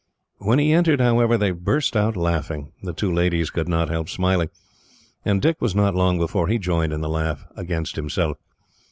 When he entered, however, they burst out laughing. The two ladies could not help smiling, and Dick was not long before he joined in the laugh against himself.